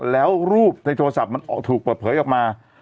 แล้วรูปในโทรศัพท์มันถูกเปิดเผยออกมา